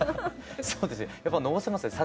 そうですねやっぱのぼせますよね